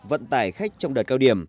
vận tải khách trong đợt cao điểm